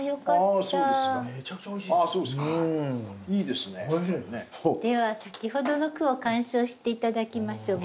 では先ほどの句を鑑賞して頂きましょう。